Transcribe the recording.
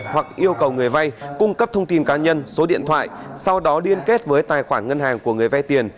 hoặc yêu cầu người vay cung cấp thông tin cá nhân số điện thoại sau đó liên kết với tài khoản ngân hàng của người vay tiền